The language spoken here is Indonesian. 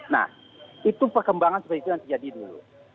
nah itu perkembangan seperti itu yang terjadi dulu